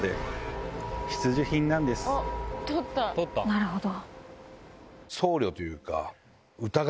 なるほど。